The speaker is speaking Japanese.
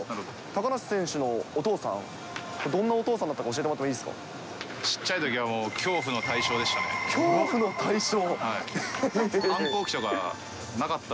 高梨選手のお父さん、どんなお父さんだったか、教えてもらっていちっちゃいときは、もう恐怖恐怖の対象？